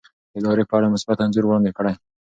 د ادارې په اړه مثبت انځور وړاندې کړئ.